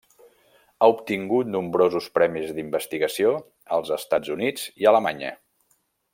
Ha obtingut nombrosos premis d'investigació als Estats Units i Alemanya.